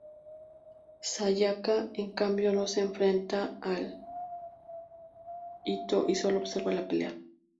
Sayaka, en cambio, no se enfrenta a Ittō y solo observa la pelea.